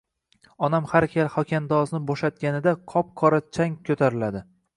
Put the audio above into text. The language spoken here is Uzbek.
Onam har gal xokandozni bo‘shatganida qop-qora chang ko‘tariladi.